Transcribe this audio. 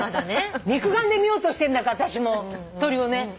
肉眼で見ようとしてんだから私鳥をね。